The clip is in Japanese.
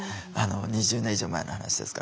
２０年以上前の話ですから。